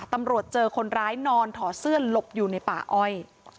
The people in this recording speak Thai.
ตำรวจเจอคนร้ายนอนถอดเสื้อหลบอยู่ในป่าอ้อย